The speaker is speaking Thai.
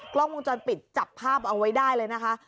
กล้องวงจรปิดจับภาพเอาไว้ได้เลยนะคะ